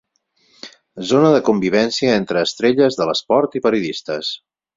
Zona de convivència entre estrelles de l'esport i periodistes.